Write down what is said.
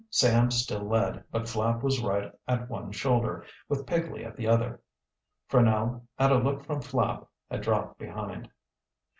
Sam still led, but Flapp was right at one shoulder, with Pigley at the other. Franell, at a look from Flapp, had dropped behind.